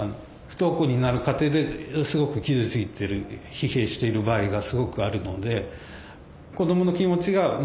不登校になる過程ですごく傷ついてる疲弊している場合がすごくあるので。